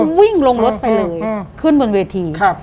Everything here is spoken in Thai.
ก็วิ่งลงรถไปเลยขึ้นบนเวที